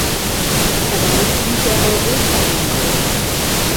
Er war Mitglied der Europa-Union.